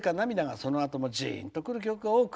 そのほかにもじーんとくることが多く。